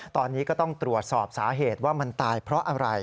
ตอนนี้ก็ต้องตรวจสอบสาเหตุว่ามันตายเพราะอะไร